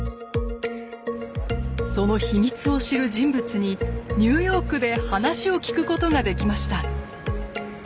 その秘密を知る人物にニューヨークで話を聞くことができました。